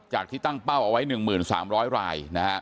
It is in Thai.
จากที่ตั้งเป้าออกไว้๑๓๐๐ลาย